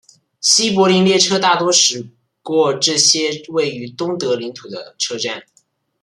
西柏林列车大多直接驶过这些位于东德领土的车站。